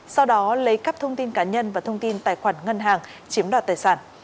sau đó lấy cắp thông tin cá nhân và thông tin tài khoản ngân hàng chiếm đoạt tài sản